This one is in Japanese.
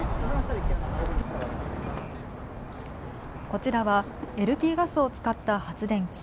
こちらはＬＰガスを使った発電機。